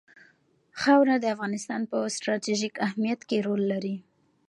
خاوره د افغانستان په ستراتیژیک اهمیت کې رول لري.